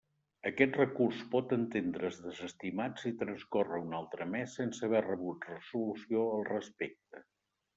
Aquest recurs pot entendre's desestimat si transcorre un altre mes sense haver rebut resolució al respecte.